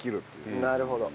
なるほど。